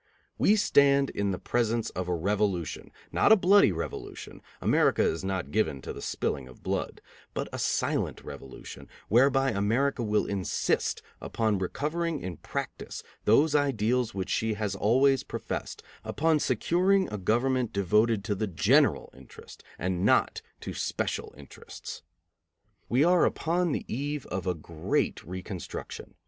We stand in the presence of a revolution, not a bloody revolution; America is not given to the spilling of blood, but a silent revolution, whereby America will insist upon recovering in practice those ideals which she has always professed, upon securing a government devoted to the general interest and not to special interests. We are upon the eve of a great reconstruction.